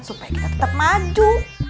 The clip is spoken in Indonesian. supaya kita tetep maju